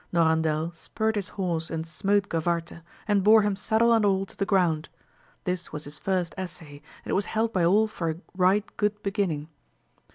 Norandel ;, spurred his horse and smote Gavarte, and bore him saddle and all to the ground : this was his first essay, and it was held by all for a right good beginning.